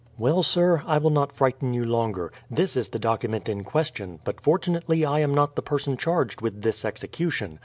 Well, sir, I will not frighten you longer. This is the document in question, but fortunately I am not the person charged with this execution.